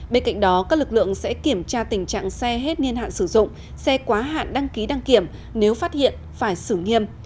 bên cạnh đó các lực lượng sẽ kiểm tra tình trạng xe hết niên hạn sử dụng xe quá hạn đăng ký đăng kiểm nếu phát hiện phải xử nghiêm